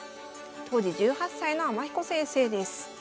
当時１８歳の天彦先生です。